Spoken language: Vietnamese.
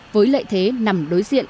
với lệ thế nằm đối diện